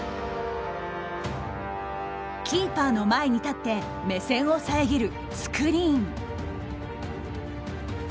キーパーの前に立って目線を遮るスクリーン。